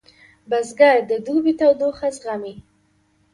بزګر د دوبي تودوخه زغمي